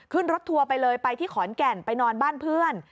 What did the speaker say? ขึ้นรถทัวร์ไปเลยไปที่ขอนแก่นไปนอนบ้านเพื่อน